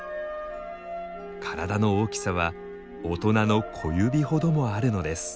体の大きさは大人の小指ほどもあるのです。